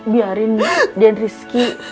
biarin dia rizky